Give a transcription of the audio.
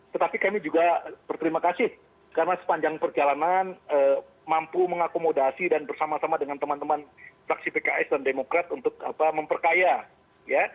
tetapi kami juga berterima kasih karena sepanjang perjalanan mampu mengakomodasi dan bersama sama dengan teman teman fraksi pks dan demokrat untuk memperkaya ya